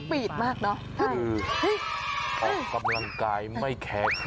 คิดว่าเขาจะเหนื่อยป่ะเพราะเขาเล่นมากเลย